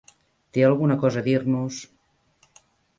Té alguna cosa a dir-nos.